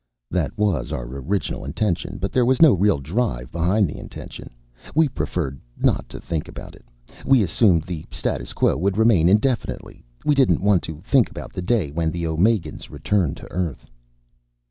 "That was our original intention. But there was no real drive behind the intention. We preferred not to think about it. We assumed the status quo would remain indefinitely. We didn't want to think about the day when the Omegans returned to Earth."